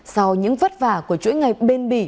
sau những vất vả của chuỗi ngày bền bỉ